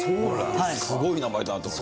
すごい名前だなと思って。